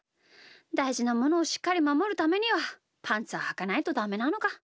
だいじなものをしっかりまもるためにはパンツははかないとダメなのか。